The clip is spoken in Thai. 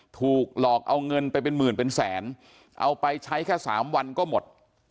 ถูกหลอกเอาเงินไปเป็นหมื่นเป็นแสนเอาไปใช้แค่๓วันก็หมด